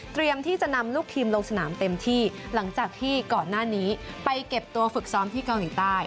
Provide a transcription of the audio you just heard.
ที่จะนำลูกทีมลงสนามเต็มที่หลังจากที่ก่อนหน้านี้ไปเก็บตัวฝึกซ้อมที่เกาหลีใต้